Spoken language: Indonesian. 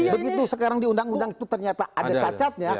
begitu sekarang diundang undang itu ternyata ada cacatnya